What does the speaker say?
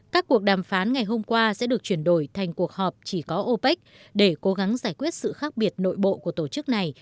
các cuộc đàm phán ngày hôm qua sẽ được chuyển đổi thành cuộc họp chỉ có opec để cố gắng giải quyết sự khác biệt nội bộ của tổ chức này